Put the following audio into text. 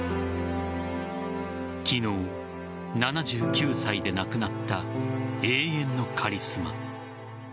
昨日、７９歳で亡くなった永遠のカリスマ。